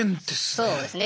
そうですね。